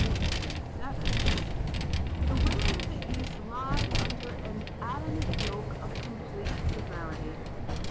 247): "The women of the East lie under an adamant yoke of complete severity.